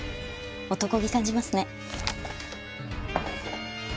男気感じますね。